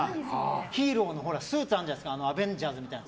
ヒーローのスーツあるじゃないですかアベンジャーズみたいな。